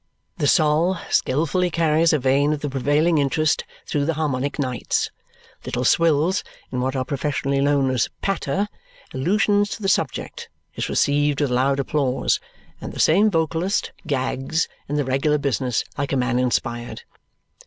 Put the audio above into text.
The Sol skilfully carries a vein of the prevailing interest through the Harmonic nights. Little Swills, in what are professionally known as "patter" allusions to the subject, is received with loud applause; and the same vocalist "gags" in the regular business like a man inspired.